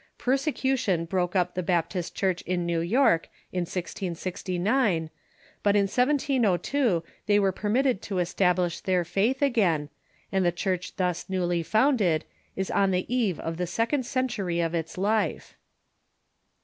Persecution broke up the Baptist Church in New York in 1669, but in 1702 they were permitted to establish their faith again, and the Church thus newly founded is on the eve of the second century of its life.